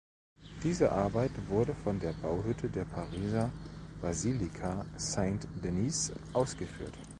Diese Arbeit wurde von der Bauhütte der Pariser Basilika Saint Denis ausgeführt.